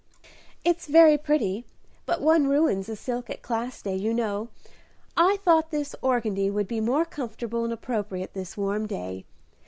"It's very pretty, but one ruins a silk at Class Day, you know. I thought this organdie would be more comfortable and appropriate this warm day.